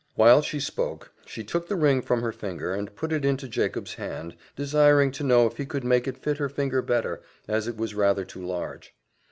While she spoke, she took the ring from her finger, and put it into Jacob's hand, desiring to know if he could make it fit her finger better, as it was rather too large.